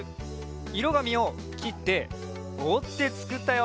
いろがみをきっておってつくったよ。